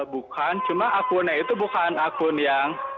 bukan cuma akunnya itu bukan akun yang